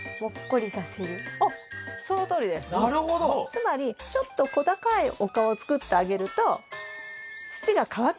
つまりちょっと小高い丘を作ってあげると土が乾きやすくなりますよね。